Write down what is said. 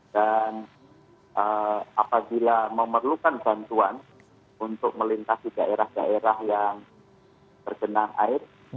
dan apabila memerlukan bantuan untuk melintasi daerah daerah yang terkena air